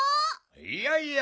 いやいや。